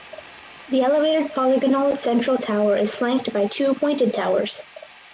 The elevated polygonal central tower is flanked by two pointed towers.